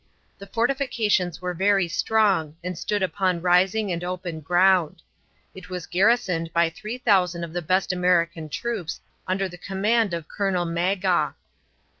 The fortifications were very strong and stood upon rising and open ground. It was garrisoned by 3000 of the best American troops under the command of Colonel Magaw.